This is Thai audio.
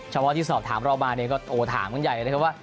เฉพาะที่สอบถามเรามาเนี่ยก็ถามกันใหญ่เลยครับว่า